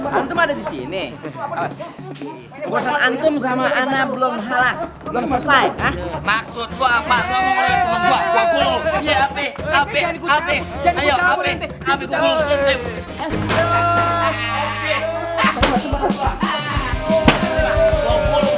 sampai jumpa di video selanjutnya